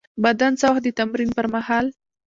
بدن څه وخت د تمرین پر مهال